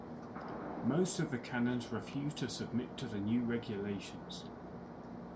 Most of the canons refused to submit to the new regulations.